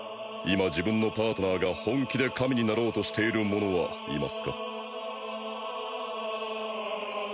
今自分のパートナーが本気で神になろうとしている者はいますか？